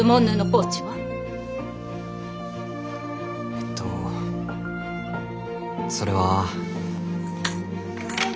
えっとそれは。